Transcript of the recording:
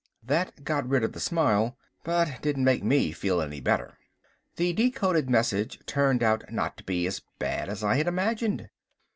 That got rid of the smile, but didn't make me feel any better. The decoded message turned out not to be as bad as I had imagined.